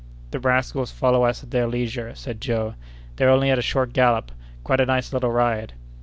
"The rascals follow us at their leisure," said Joe. "They're only at a short gallop. Quite a nice little ride!"